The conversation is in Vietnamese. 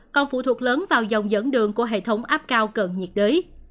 còn phụ thuộc lớn vào dòng dẫn đường của hệ thống áp cao cận nhiệt đới